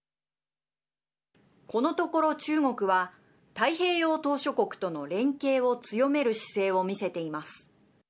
このところ中国は太平洋島しょ国との連携を強める姿勢を見せています。